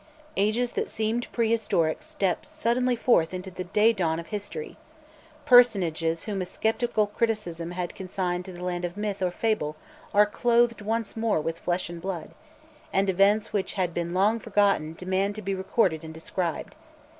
Ages that seemed prehistoric step suddenly forth into the daydawn of history; personages whom a sceptical criticism had consigned to the land of myth or fable are clothed once more with flesh and blood, and events which had been long forgotten demand to be recorded and described.